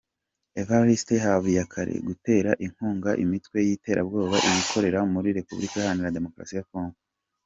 Evariste Habiyakare, gutera inkunga imitwe y’iterabwoba ikorera muri Repubulika iharanira Demokarasi ya Congo